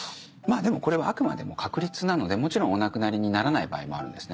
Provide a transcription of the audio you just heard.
でもこれはあくまでも確率なのでもちろんお亡くなりにならない場合もあるんですね。